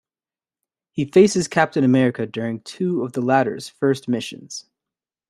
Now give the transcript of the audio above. He faces Captain America during two of the latter's first missions.